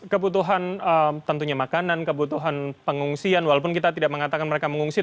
kebutuhan tentunya makanan kebutuhan pengungsian walaupun kita tidak mengatakan mereka mengungsi